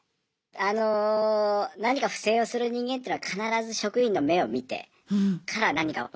あの何か不正をする人間ってのは必ず職員の目を見てから何か悪いことするので。